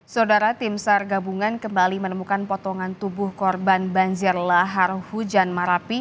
saudara tim sar gabungan kembali menemukan potongan tubuh korban banjir lahar hujan marapi